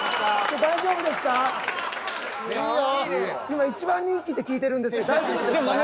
今一番人気って聞いてるんですけど大丈夫ですか？